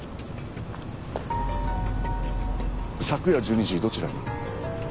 昨夜１２時どちらに？